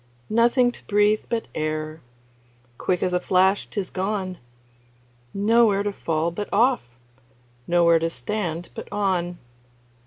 Nothing to breathe but air Quick as a flash 't is gone; Nowhere to fall but off, Nowhere to stand but on.